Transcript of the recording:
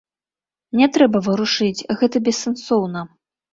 Не трэба варушыць, гэта бессэнсоўна.